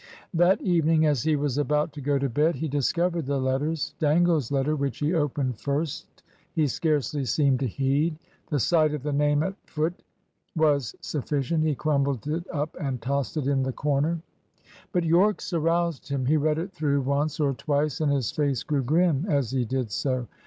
That evening, as he was about to go to bed, he discovered the letters. Dangle's letter, which he opened first, he scarcely seemed to heed. The sight of the name at foot was sufficient. He crumpled it up and tossed it in the corner. But Yorke's aroused him. He read it through once or twice, and his face grew grim as he did so.